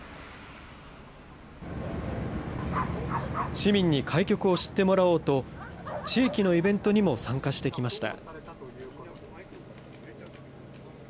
市民に開局を知ってもらおうと、地域のイベントにも参加してきました。